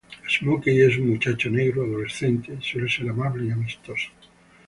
Smokey es un muchacho negro adolescente, suele ser amable y amistoso.